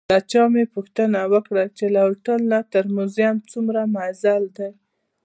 له چا مې پوښتنه وکړه چې له هوټل نه تر موزیم څومره مزل دی؟